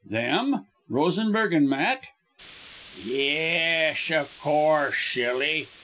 "Them! Rosenberg and Matt!" "Yesh, of course, shilly!